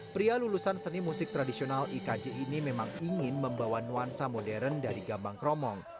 pria lulusan seni musik tradisional ikj ini memang ingin membawa nuansa modern dari gambang kromong